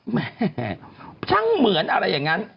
แม่ช่างเหมือนอะไรอย่างนั้น